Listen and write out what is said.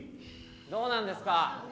どうなんですか？